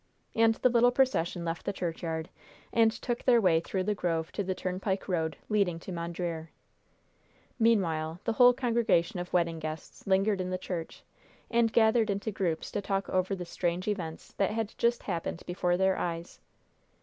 And the little procession left the churchyard, and took their way through the grove to the turnpike road leading to Mondreer. Meanwhile, the whole congregation of wedding guests lingered in the church, and gathered into groups to talk over the strange events that had just happened before their eyes.